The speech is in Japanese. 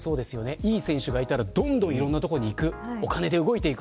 いい選手がいたら、どんどんいいところに行く、お金も動く。